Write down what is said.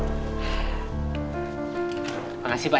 terima kasih pak